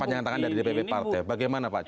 panjang tangan dari dpp partai bagaimana pak